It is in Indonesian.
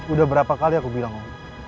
udah berapa kali aku bilang